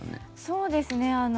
そうですね。